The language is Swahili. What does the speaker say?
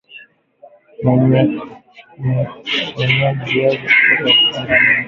Menya viazi na kukata vipande nne kwa kila kiazi au ukubwa unaotaka